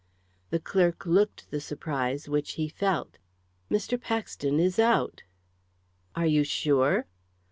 The clerk looked the surprise which he felt. "Mr. Paxton is out." "Are you sure?"